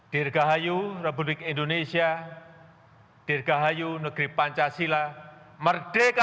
dirgahayu republik indonesia dirgahayu negeri pancasila merdeka